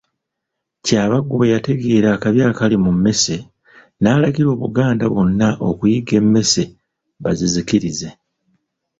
Kyabaggu bwe yategeera akabi akali mu mmese, n'alagira Obuganda bwonna okuyigga emmese bazizikirize.